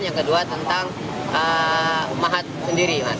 yang kedua tentang mahat sendiri